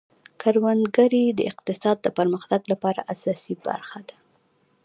کروندګري د اقتصاد د پرمختګ لپاره اساسي برخه ده.